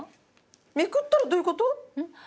めくったらどういう事？